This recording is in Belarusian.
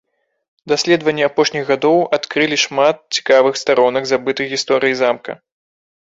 Даследаванні апошніх гадоў адкрылі шмат цікавых старонак забытай гісторыі замка.